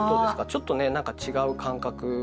ちょっとねなんか違う感覚。